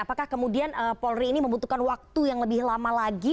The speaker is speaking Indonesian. apakah kemudian polri ini membutuhkan waktu yang lebih lama lagi